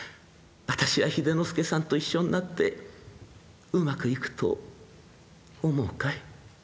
私は秀之助さんと一緒になってうまくいくと思うかい？」。